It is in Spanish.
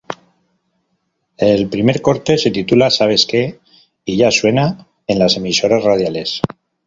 El primer corte se titula "Sabes Que" y ya suena en las emisoras radiales.